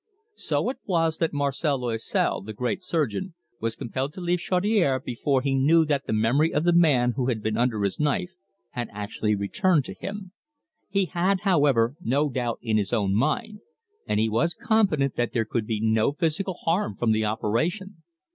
So it was that Marcel Loisel, the great surgeon, was compelled to leave Chaudiere before he knew that the memory of the man who had been under his knife had actually returned to him. He had, however, no doubt in his own mind, and he was confident that there could be no physical harm from the operation.